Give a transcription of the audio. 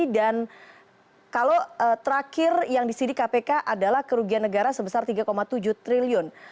dan kalau terakhir yang disini kpk adalah kerugian negara sebesar tiga tujuh triliun